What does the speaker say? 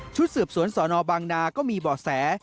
สืบสวนสนบางนาก็มีบ่อแส